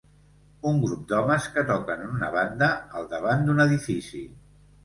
Un grup d'homes que toquen en una banda al davant d'un edifici.